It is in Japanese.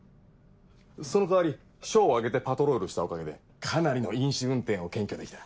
その代わり署を挙げてパトロールしたおかげでかなりの飲酒運転を検挙できた。